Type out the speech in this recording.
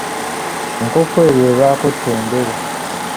Enkofu yo ebaako ttembere.